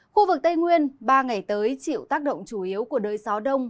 khu vực tây nguyên ba ngày tới chịu tác động chủ yếu của đới gió đông